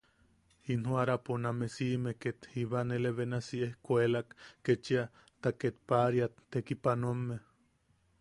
In joʼarapo name siʼime, ket jiba nele benasi, ejkuelak kechia, ta ket paʼariat tekipanoame.